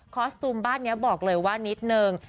สตูมบ้านนี้บอกเลยว่านิดนึง